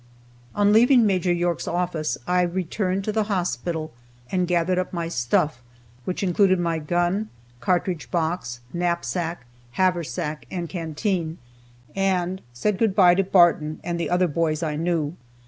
On leaving Maj. York's office I returned to the hospital and gathered up my stuff, which included my gun, cartridge box, knapsack, haversack, and canteen, and said good by to Barton and the other boys I knew.